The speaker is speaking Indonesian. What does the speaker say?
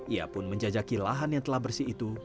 ia pun menjajaki lahan yang telah bersih itu